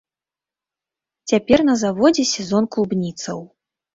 Цяпер на заводзе сезон клубніцаў.